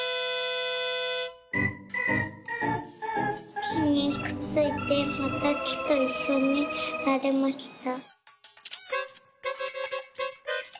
「きにくっついてまたきといっしょになれました」。